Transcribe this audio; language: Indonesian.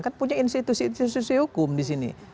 kan punya institusi institusi hukum di sini